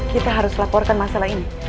kita harus laporkan masalah ini